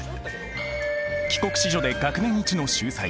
帰国子女で学年一の秀才。